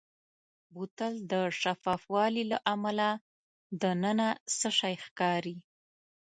بوتل د شفاف والي له امله دننه څه شی ښکاري.